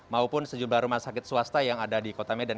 maupun sejumlah rumah sakit swasta yang ada di kota medan